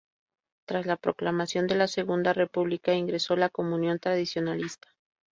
Tras la proclamación de la Segunda República, ingresó en la Comunión Tradicionalista.